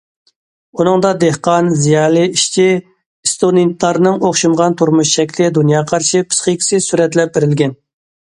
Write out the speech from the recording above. ئۇنىڭدا دېھقان، زىيالىي، ئىشچى، ئىستۇدېنتلارنىڭ ئوخشىمىغان تۇرمۇش شەكلى، دۇنيا قارىشى، پىسخىكىسى سۈرەتلەپ بېرىلگەن.